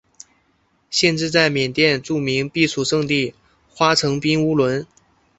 县治在缅甸著名避暑胜地花城彬乌伦。